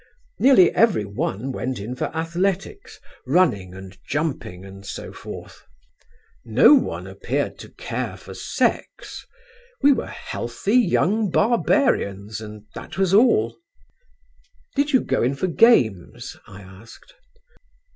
Nearly every one went in for athletics running and jumping and so forth; no one appeared to care for sex. We were healthy young barbarians and that was all." "Did you go in for games?" I asked.